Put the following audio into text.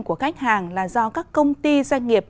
của khách hàng là do các công ty doanh nghiệp